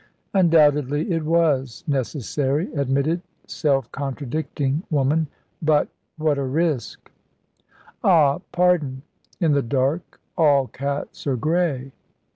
"Undoubtedly it was necessary," admitted self contradicting woman. "But what a risk!" "Ah, pardon; in the dark, all cats are grey."